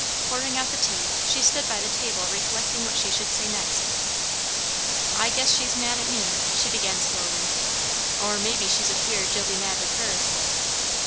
Pouring out the tea, she stood by the table reflecting what she should say next. "I guess she's mad at me," she began slowly. "Or maybe she's afeard you'll be mad with her.